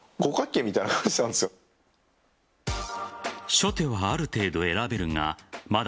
初手はある程度選べるがまだ